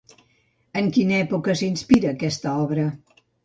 En quina època s'inspira aquesta obra?